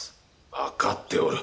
わかっておる。